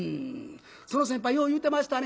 その先輩よう言うてましたね